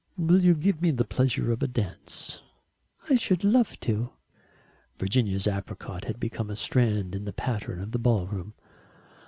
"Will you give me the pleasure of a dance?" "I should love to." Virginia's apricot had become a strand in the pattern of the ball room.